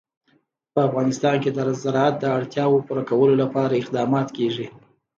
په افغانستان کې د زراعت د اړتیاوو پوره کولو لپاره اقدامات کېږي.